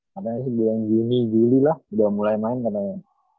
katanya sih bulan juni juli lah udah mulai main katanya